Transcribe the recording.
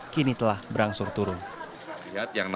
kini telah berangsur turun